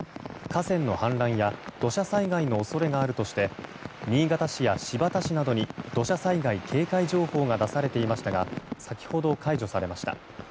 河川の氾濫や土砂災害の恐れがあるとして新潟市や新発田市などに土砂災害警戒情報が出されていましたが先ほど解除されました。